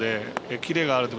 キレがあるとか。